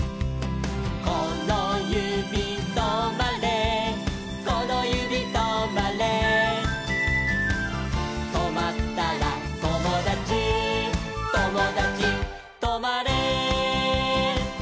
「このゆびとまれこのゆびとまれ」「とまったらともだちともだちとまれ」